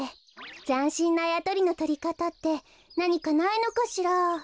ざんしんなあやとりのとりかたってなにかないのかしら？